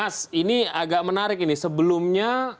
mas ini agak menarik ini sebelumnya